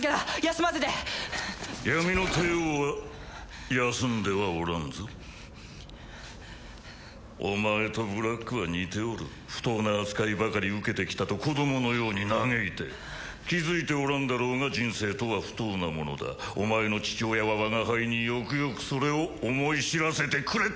休ませて闇の帝王は休んではおらんぞお前とブラックは似ておる不当な扱いばかり受けてきたと子供のように嘆いて気づいておらんだろうが人生とは不当なものだお前の父親は我が輩によくよくそれを思い知らせてくれた！